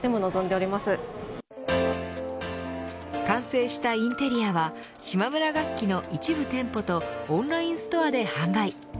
完成したインテリアは島村楽器の一部店舗とオンラインストアで販売。